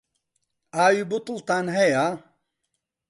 ئاوی بوتڵتان هەیە؟